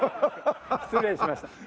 失礼しました。